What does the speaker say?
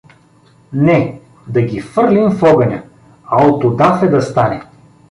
— Не, да ги фърлим в огъня, аутодафе да стане!